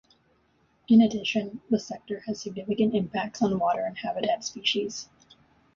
In addition, the sector has significant impacts on water and habitat and species.